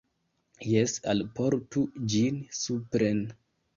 Jes, alportu ĝin supren.